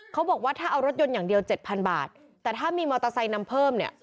เขาบอกว่าถ้าเอารถยนต์อย่างเดียวเจ็ดพันบาทแต่ถ้ามีมอเตอร์ไซค์นำเพิ่มเนี่ย